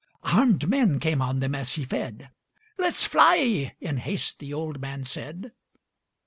Arm'd men came on them as he fed: "Let's fly," in haste the old man said.